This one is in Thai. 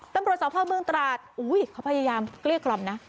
ตำรวจศาสตร์ภาคเมืองตราศเขาพยายามเกลี้ยกกล่อมนะ